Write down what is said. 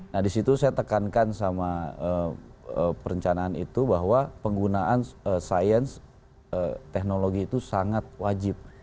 nah disitu saya tekankan sama perencanaan itu bahwa penggunaan sains teknologi itu sangat wajib